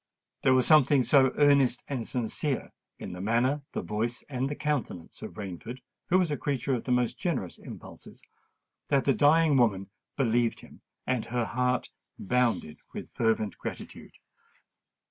There was something so earnest and sincere in the manner, the voice, and the countenance of Rainford, who was a creature of the most generous impulses, that the dying woman believed him; and her heart bounded with fervent gratitude.